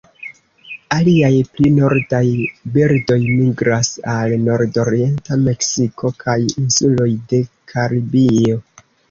Aliaj pli nordaj birdoj migras al nordorienta Meksiko kaj insuloj de Karibio.